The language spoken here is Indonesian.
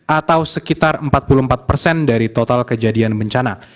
atau sekitar empat puluh empat persen dari total kejadian bencana